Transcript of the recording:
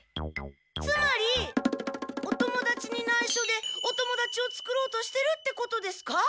つまりお友だちにないしょでお友だちを作ろうとしてるってことですか？